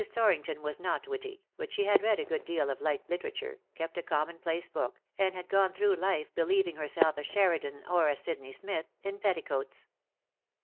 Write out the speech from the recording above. Tor rington was not witty, but she had read a good deal of light literature, kept a common place book, and had gone through life believing herself a Sheridan or a Sidney Smith, in petticoats.